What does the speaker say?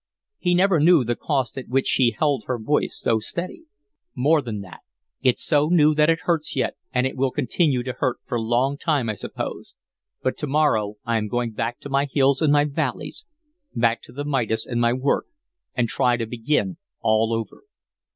He never knew the cost at which she held her voice so steady. "More than that. It's so new that it hurts yet, and it will continue to hurt for a long time, I suppose but to morrow I am going back to my hills and my valleys, back to the Midas and my work, and try to begin all over.